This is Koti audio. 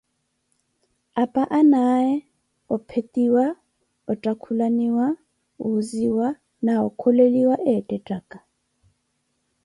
Apa anaaye ophetiwa, ottakhulaniwa, wuuziya na okholeliwa eettettaka.